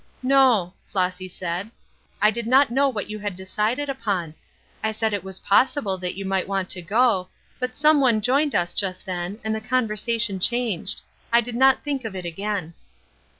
"No," Flossy said, "I did not know what you had decided upon; I said it was possible that you might want to go, but some one joined us just then and the conversation changed: I did not think of it again."